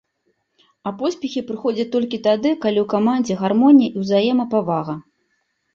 А поспехі прыходзяць толькі тады, калі ў камандзе гармонія і ўзаемапавага.